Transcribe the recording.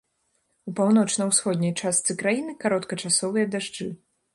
У паўночна-усходняй частцы краіны кароткачасовыя дажджы.